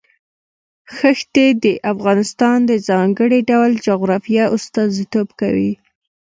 ښتې د افغانستان د ځانګړي ډول جغرافیه استازیتوب کوي.